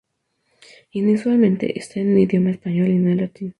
Inusualmente, está en idioma español y no en latín.